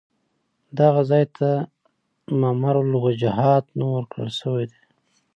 دغه ځای ته ممر الوجحات نوم ورکړل شوی دی.